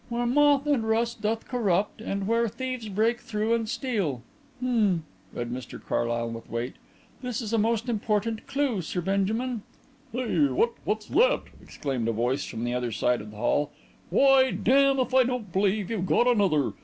"' where moth and rust doth corrupt and where thieves break through and steal.' H'm," read Mr Carlyle with weight. "This is a most important clue, Sir Benjamin " "Hey, what? What's that?" exclaimed a voice from the other side of the hall. "Why, damme if I don't believe you've got another!